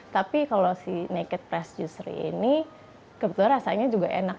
tapi kalau si naked press juicery ini kebetulan rasanya juga enak